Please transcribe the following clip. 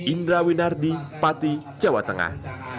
indra winardi pati jawa tengah